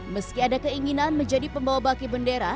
meski ada keinginan menjadi pembawa baki bendera